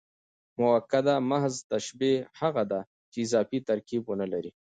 مؤکده محض تشبیه هغه ده، چي اضافي ترکیب و نه لري.